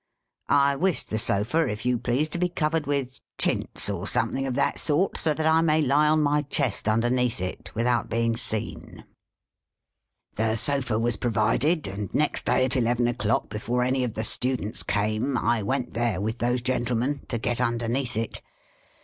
I wish the sofa, if you please, to be covered with chintz, or something of that sort, so that I may lie on my chest, underneath it, without being seen.' " The sola was provided, and next day at eleven o'clock, before any of the students came, I went there, with those gentlemen, to get underneath it.